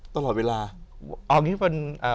ตลอดเวลา